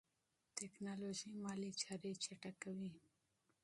ټیکنالوژي مالي چارې چټکوي.